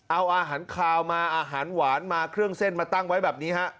เอาอาหารคาวมาอาหารหวานมาเครื่องเส้นมาตั้งไว้แบบนี้ฮะ